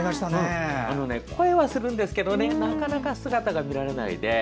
声はするけどなかなか姿が見られなくて。